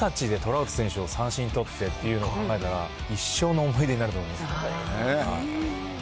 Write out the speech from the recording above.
たぶん２０歳でトラウト選手を三振に取ってっていうのを考えたら、一生の思い出になると思います。